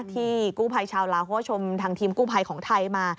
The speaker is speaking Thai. ที่กู้ภัยชาวลาวเขาก็ชมทางทีมกู้ภัยของไทยมา